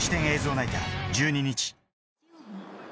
ナイター、１２日。